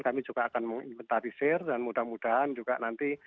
kami juga akan menginventarisir dan mudah mudahan juga nanti